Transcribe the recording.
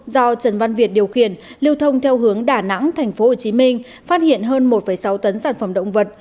do trần văn việt điều khiển lưu thông theo hướng đà nẵng tp hcm phát hiện hơn một sáu tấn sản phẩm động vật